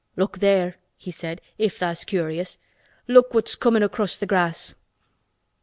"Look there," he said, "if tha's curious. Look what's comin' across th' grass."